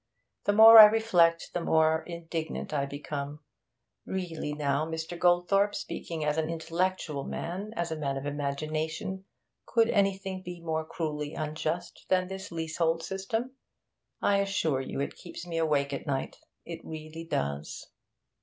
The more I reflect, the more indignant I become. Really now, Mr. Goldthorpe, speaking as an intellectual man, as a man of imagination, could anything be more cruelly unjust than this leasehold system? I assure you, it keeps me awake at night; it really does.'